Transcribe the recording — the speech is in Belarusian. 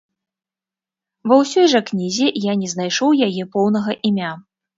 Ва ўсёй жа кнізе я не знайшоў яе поўнага імя.